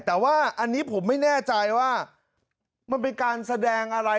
แต่ว่าอันนี้ผมไม่แน่ใจว่ามันเป็นการแสดงอะไร